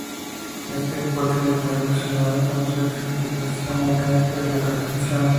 Esta hipótesis estaba relacionada con su explicación mecánica de la gravitación.